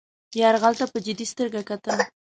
یرغل ته په جدي سترګه کتل.